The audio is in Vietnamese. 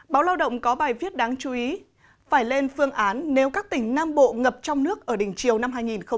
báo lao động có bài viết đáng chú ý phải lên phương án nếu các tỉnh nam bộ ngập trong nước ở đỉnh chiều năm hai nghìn một mươi năm